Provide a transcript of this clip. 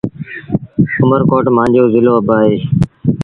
اُمر ڪوٽ مآݩجو زلو با اهي۔